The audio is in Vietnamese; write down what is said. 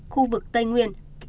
khu vực tây nguyên